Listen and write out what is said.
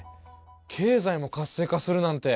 経済も活性化するなんて